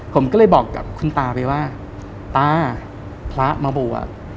ผมก็เลยบอกกับคุณตาไปว่าตาพระมาบวช